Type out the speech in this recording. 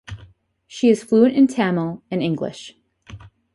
She is fluent in Tamil and English.